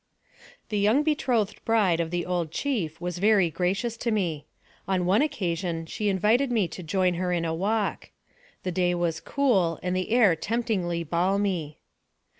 The young betrothed bride of the old chief was very gracious to me. On one occasion she invited me to join her in a walk. The day was cool, and the air temptingly balmy.